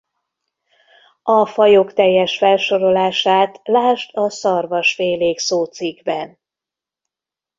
A fajok teljes felsorolását lásd a Szarvasfélék szócikkben!